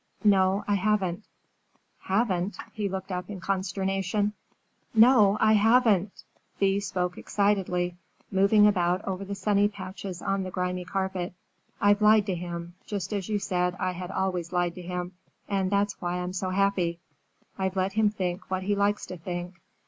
"No, I haven't." "Haven't?" He looked up in consternation. "No, I haven't!" Thea spoke excitedly, moving about over the sunny patches on the grimy carpet. "I've lied to him, just as you said I had always lied to him, and that's why I'm so happy. I've let him think what he likes to think.